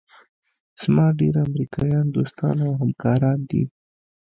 زما ډېر امریکایان دوستان او همکاران دي.